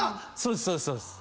そうですそうです。